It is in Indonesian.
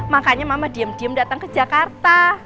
makanya mama diem diem datang ke jakarta